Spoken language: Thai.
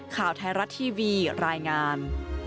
ข่าวไทยรัฐทีวีรายงาน